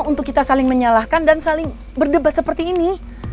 untuk kita saling menyalahkan dan saling berdebat seperti ini